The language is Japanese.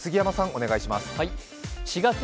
お願いします。